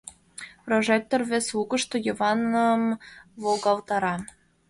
Прожектор вес лукышто Йываным волгалтара.